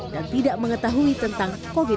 dan tidak mengetahui tentang covid sembilan belas